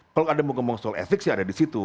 kalau ada mau ngomong soal etik sih ada disitu